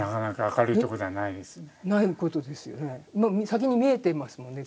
先に見えていますもんね